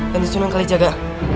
ganjung sunan kali jaga